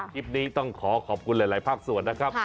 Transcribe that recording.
คลิปนี้ต้องขอขอบคุณหลายภาคส่วนนะครับ